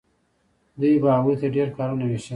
دوی به هغو ته ډیر کارونه ویشل.